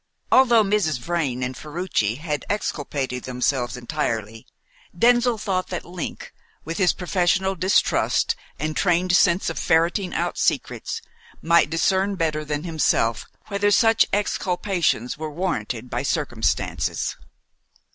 Although Mrs. Vrain and Ferruci had exculpated themselves entirely, Denzil thought that Link, with his professional distrust and trained sense of ferreting out secrets, might discern better than himself whether such exculpations were warranted by circumstances.